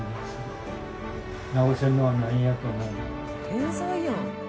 天才やん。